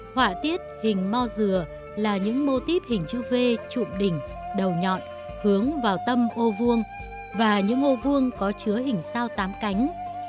họa tiết hình mo dừa là những mô típ hình chữ v trụng đỉnh đầu nhọn hướng vào tâm ô vuông và những hô vuông có chứa hình sao tám cánh